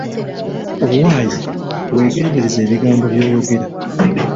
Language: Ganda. Owaaye weegendereze ebigambo by'oyogera.